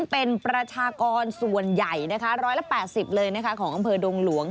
เป็นประชากรส่วนใหญ่๑๘๐เลยของอำเภอดงหลวง